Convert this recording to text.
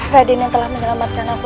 raden yang telah menyelamatkan aku